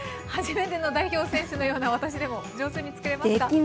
はじめての代表選手のような私でも上手に作れますか？